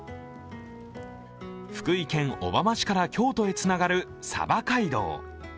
福井県小浜市から京都へつながる、さば街道。